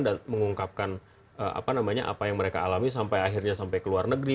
dan mengungkapkan apa yang mereka alami sampai akhirnya sampai ke luar negeri